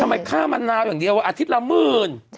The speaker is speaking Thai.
ค่ามะนาวอย่างเดียวอาทิตย์ละหมื่น